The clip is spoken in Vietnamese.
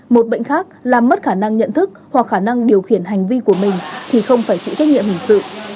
một bệnh khác làm mất khả năng nhận thức hoặc khả năng điều khiển hành vi của mình thì không phải chịu trách nhiệm hình sự